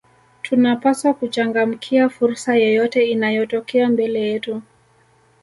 tunapaswa kuchangamkia fursa yeyote inayotokea mbele yetu